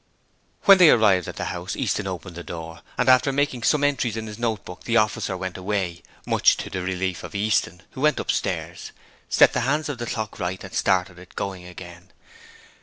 When they arrived at the house Easton opened the door, and after making some entries in his note book the officer went away, much to the relief of Easton, who went upstairs, set the hands of the clock right and started it going again.